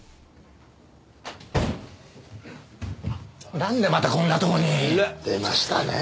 なんでまたこんなとこに！出ましたねえ